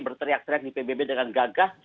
berteriak teriak di pbb dengan gagah